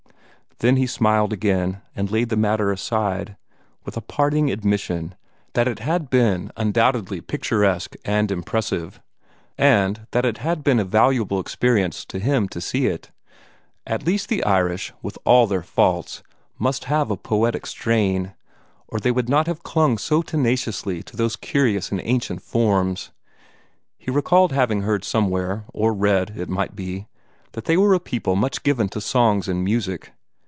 Then he smiled again, and laid the matter aside, with a parting admission that it had been undoubtedly picturesque and impressive, and that it had been a valuable experience to him to see it. At least the Irish, with all their faults, must have a poetic strain, or they would not have clung so tenaciously to those curious and ancient forms. He recalled having heard somewhere, or read, it might be, that they were a people much given to songs and music.